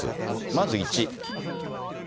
まず１。